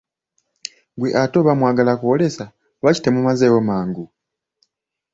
Ggwe ate oba mwagala kwoolesa, lwaki temumazeewo mangu?